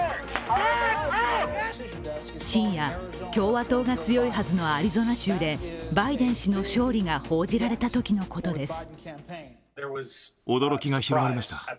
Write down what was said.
深夜、共和党が強いはずのアリゾナ州でバイデン氏の勝利が報じられたときのことです。